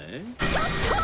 ちょっと！